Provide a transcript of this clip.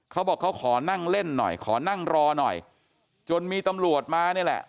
เขาบอกเขาขอนั่งเล่นหน่อยขอนั่งรอหน่อยจนมีตำรวจมานี่แหละ